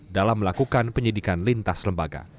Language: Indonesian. dalam melakukan penyidikan lintas lembaga